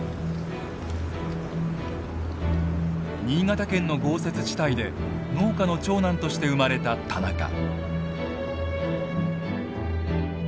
新潟県の豪雪地帯で農家の長男として生まれた田中。